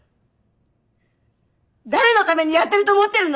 誰のためにやってると思ってるの！